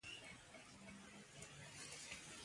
هر بدلون له یو فکر پیل اخلي.